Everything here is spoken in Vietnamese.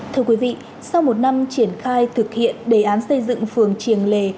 thưa quý vị sau một năm triển khai thực hiện đề án xây dựng phường triềng lề